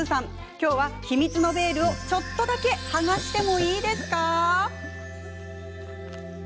今日は秘密のベールをちょっとだけ剥がしてもいいですか？